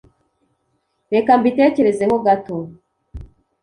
Reka mbitekerezeho gato.